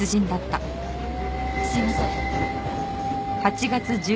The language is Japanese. すいません。